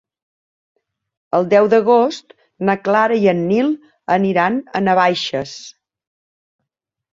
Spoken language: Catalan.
El deu d'agost na Clara i en Nil aniran a Navaixes.